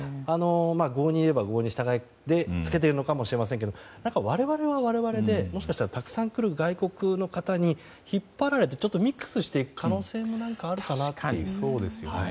郷に入れば郷に従えで着けているのかもしれませんけど我々は我々でもしかしたらたくさん来る外国の方に引っ張られてミックスしていく可能性も確かにそうですね。